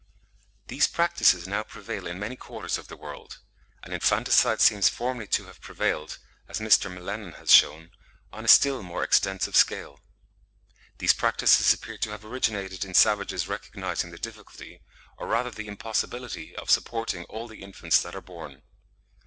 These practices now prevail in many quarters of the world; and infanticide seems formerly to have prevailed, as Mr. M'Lennan (61. 'Primitive Marriage,' 1865.) has shewn, on a still more extensive scale. These practices appear to have originated in savages recognising the difficulty, or rather the impossibility of supporting all the infants that are born.